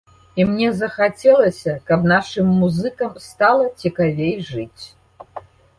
І мне захацелася, каб нашым музыкам стала цікавей жыць.